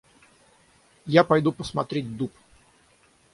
Я пойду посмотреть дуб.